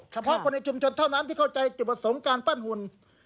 เฉพาะคนในชุมชนเท่านั้นที่เข้าใจจุดประสงค์การปั้นหุ่น